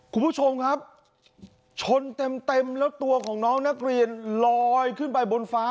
คุณผู้ชมครับชนเต็มเต็มแล้วตัวของน้องนักเรียนลอยขึ้นไปบนฟ้า